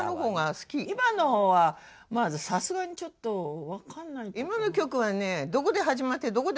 今のはさすがにちょっと分かんないかな。